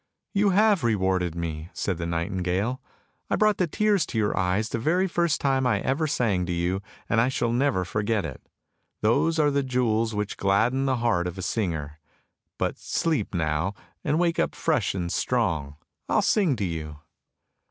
"" You have rewarded me," said the nightingale. " I brought the tears to your eyes the very first time I ever sang to you, and I shall never forget it! Those are the jewels which gladden the heart of a singer; but sleep now, and wake up fresh and strong; I will sing to you!